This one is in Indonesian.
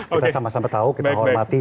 kita sama sama tahu kita hormati